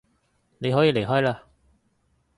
你可以離開嘞